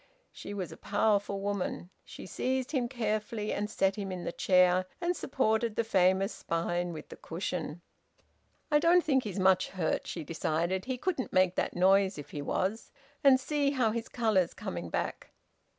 She was a powerful woman. She seized him carefully and set him in the chair, and supported the famous spine with the cushion. "I don't think he's much hurt," she decided. "He couldn't make that noise if he was, and see how his colour's coming back!"